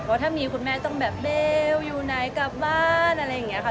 ว่าถ้ามีคุณแม่ต้องแบบเร็วอยู่ไหนกลับบ้านอะไรอย่างนี้ค่ะ